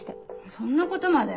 そんなことまで？